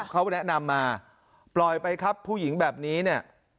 เขาแนะนำมาปล่อยไปครับผู้หญิงแบบนี้เนี่ย